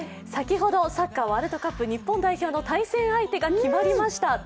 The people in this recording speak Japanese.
先ほどサッカーワールドカップ日本代表の対戦相手が決まりました。